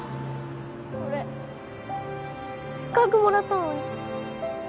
俺せっかくもらったのに。